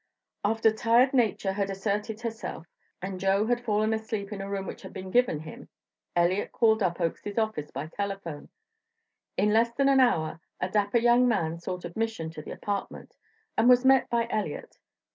After tired nature had asserted herself and Joe had fallen asleep in a room which had been given him, Elliott called up Oakes's office by telephone. In less than an hour a dapper young man sought admission to the apartment, and was met by Elliott.